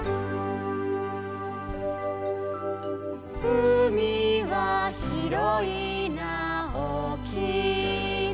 「うみはひろいなおおきいな」